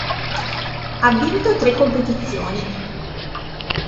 Ha vinto tre competizioni.